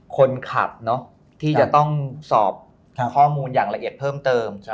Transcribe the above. คนขับที่จะต้องสอบข้อมูลอย่างละเอียดเพิ่มเติม